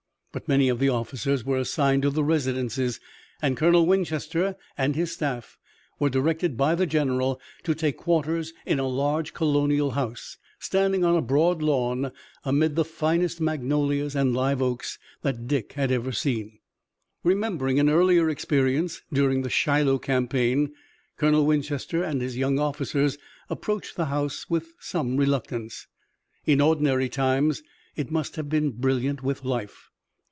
But many of the officers were assigned to the residences, and Colonel Winchester and his staff were directed by the general to take quarters in a large colonial house, standing on a broad lawn, amid the finest magnolias and live oaks that Dick had ever seen. Remembering an earlier experience during the Shiloh campaign Colonel Winchester and his young officers approached the house with some reluctance. In ordinary times it must have been brilliant with life.